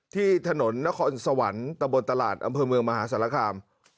ที่ถนนนครสวรรค์ตะบนตลาดอำเภอเมืองมหาศาลคาม